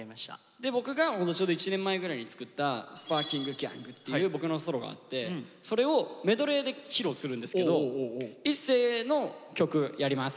で僕がホントちょうど１年前ぐらいに作った「ＳｐａｒＫｉｎｇＧａｎｇ」っていう僕のソロがあってそれをメドレーで披露するんですけど一世の曲やります。